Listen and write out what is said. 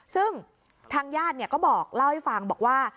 ซึ่งทางญาติก็บอกเล่าให้ฟังบอกว่า